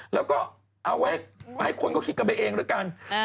แล้วก็เอาไว้ให้คนก็คิดกันไปเองด้วยกัน